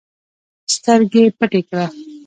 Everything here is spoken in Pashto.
سترګي پټي کړه!